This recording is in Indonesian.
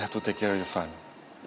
pertama kamu harus jaga anakmu